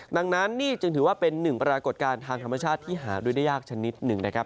ดังนั้นนี่จึงถือว่าเป็นหนึ่งปรากฏการณ์ทางธรรมชาติที่หาดูได้ยากชนิดหนึ่งนะครับ